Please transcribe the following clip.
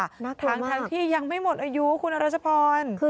ดูอัตโกมากทางที่ยังไม่หมดอายุนะคุณรจพร